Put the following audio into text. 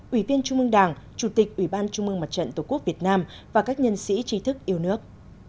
ủy viên trung mương đảng chủ tịch ủy ban trung mương mặt trận tổ quốc việt nam và các nhân sĩ trí thức yêu nước